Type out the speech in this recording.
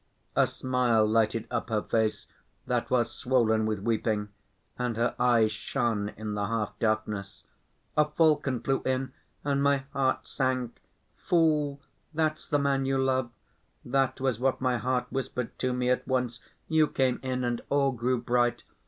A smile lighted up her face that was swollen with weeping, and her eyes shone in the half darkness. "A falcon flew in, and my heart sank. 'Fool! that's the man you love!' That was what my heart whispered to me at once. You came in and all grew bright.